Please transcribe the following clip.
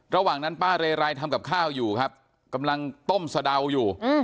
ระหว่างนั้นป้าเรไรทำกับข้าวอยู่ครับกำลังต้มสะเดาอยู่